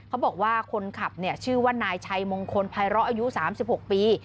เขาบอกว่าคนขับเนี้ยชื่อว่านายชายมงคลภายรออายุสามสิบหกปี